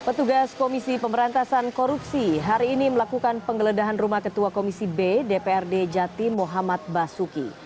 petugas komisi pemberantasan korupsi hari ini melakukan penggeledahan rumah ketua komisi b dprd jatim muhammad basuki